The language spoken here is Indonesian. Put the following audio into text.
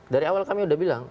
dari awal kami sudah bilang